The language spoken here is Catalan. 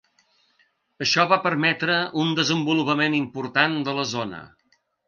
Això va permetre un desenvolupament important de la zona.